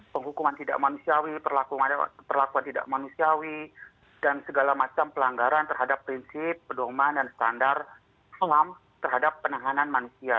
penghukuman tidak manusiawi perlakuan tidak manusiawi dan segala macam pelanggaran terhadap prinsip pedoman dan standar selam terhadap penahanan manusia